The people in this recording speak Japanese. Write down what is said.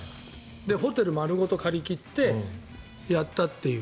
ホテル丸ごと借り切ってやったという。